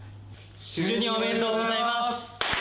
就任おめでとうございます。